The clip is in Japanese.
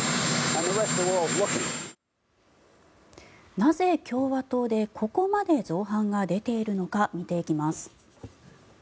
なぜ、共和党でここまで造反が出ているのか見ていきます。